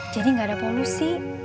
jadi gak ada polusi